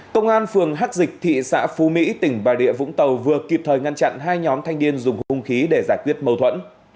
công an phường hắc dịch thị xã phú mỹ tỉnh bà địa vũng tàu vừa kịp thời ngăn chặn hai nhóm thanh niên dùng hung khí để giải quyết mâu thuẫn